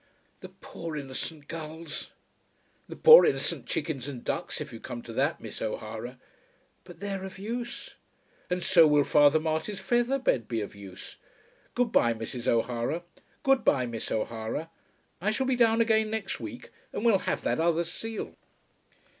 "The poor innocent gulls!" "The poor innocent chickens and ducks, if you come to that, Miss O'Hara." "But they're of use." "And so will Father Marty's feather bed be of use. Good bye, Mrs. O'Hara. Good bye, Miss O'Hara. I shall be down again next week, and we'll have that other seal."